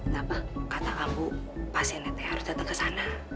gapapa katakan bu pasiennya harus datang kesana